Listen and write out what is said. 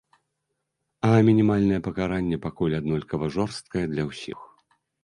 А мінімальнае пакаранне пакуль аднолькава жорсткае для ўсіх.